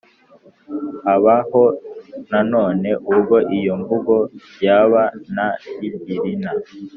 haba ho na none ubwo iyo mvugo y'aba na ylgiìna